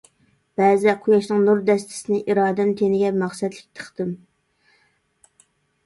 بەزىدە قۇياشنىڭ نۇر دەستىسىنى، ئىرادەم تېنىگە مەقسەتلىك تىقتىم.